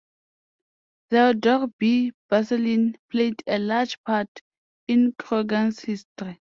Theodore B. Basselin played a large part in Croghan's history.